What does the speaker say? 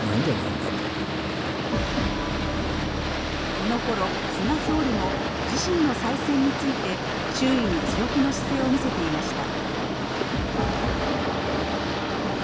このころ、菅総理も自身の再選について周囲に強気の姿勢を見せていました。